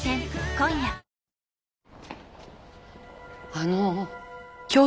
あの。